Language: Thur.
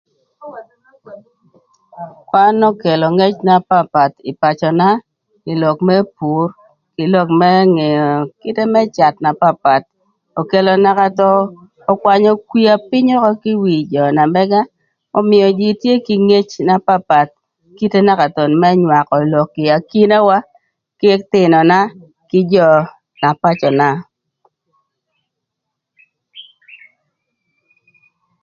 Kwan okelo ngec na papath ï pacöna, ï lok më pur, kï lok më ngeo kite më cath na papath. Okelo naka thon, ökwanyö kwia pïny ökö kï wi jö na mëga, ömïö jïï tye kï ngec na papath, kite naka thon më nywakö lok ï akinawa k'ëthïnöna kï jö na pacöna.